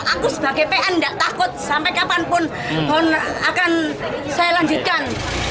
aku sebagai pn tidak takut sampai kapanpun akan saya lanjutkan